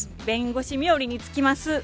弁護士冥利につきます。